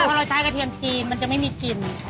พอเราใช้กระเทียมจีนมันจะไม่มีกลิ่น